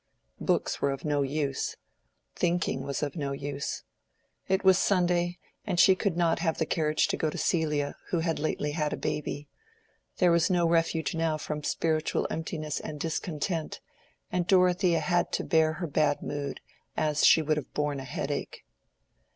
Books were of no use. Thinking was of no use. It was Sunday, and she could not have the carriage to go to Celia, who had lately had a baby. There was no refuge now from spiritual emptiness and discontent, and Dorothea had to bear her bad mood, as she would have borne a headache.